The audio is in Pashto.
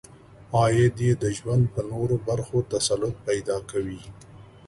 عاید یې د ژوند په نورو برخو تسلط پیدا کوي.